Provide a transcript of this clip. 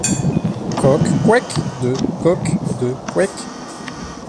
Cock, Coeck, De Cock, De Coeck.